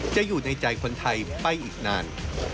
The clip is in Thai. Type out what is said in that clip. อยู่ในใจคนไทยไปอีกนาน